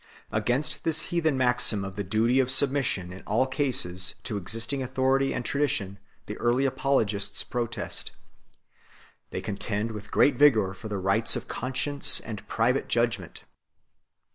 Against this heathen maxim of the duty of submission in all cases to existing authority and tradition the early apologists protest. They contend 1 with great vigour for the rights of conscience and private judgment.